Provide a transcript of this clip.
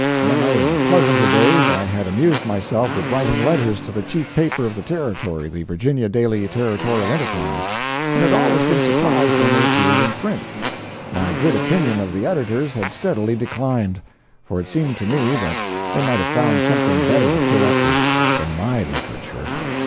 Now in pleasanter days I had amused myself with writing letters to the chief paper of the Territory, the Virginia Daily Territorial Enterprise, and had always been surprised when they appeared in print. My good opinion of the editors had steadily declined; for it seemed to me that they might have found something better to fill up with than my literature.